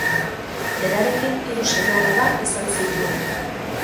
Berarekin hiru seme-alaba izan zituen.